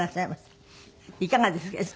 いかがですか？